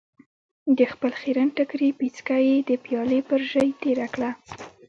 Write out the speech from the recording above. د خپل خيرن ټکري پيڅکه يې د پيالې پر ژۍ تېره کړه.